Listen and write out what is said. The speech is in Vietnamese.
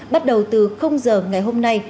bắt đầu từ giờ ngày hôm nay